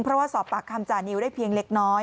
เพราะว่าสอบปากคำจานิวได้เพียงเล็กน้อย